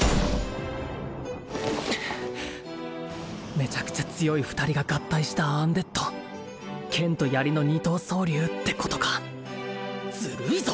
めちゃくちゃ強い二人が合体したアンデッド剣と槍の二刀槍流ってことかずるいぞ！